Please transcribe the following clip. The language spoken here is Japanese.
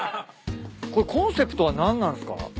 これコンセプトは何なんすか？